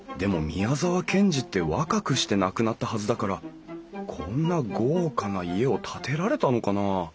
宮沢賢治って若くして亡くなったはずだからこんな豪華な家を建てられたのかな？